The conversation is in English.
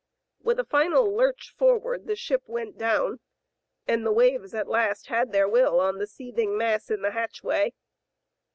With a final lurch forward the ship went down, and the waves at last had their will on the seeth ing mass in the hatchway.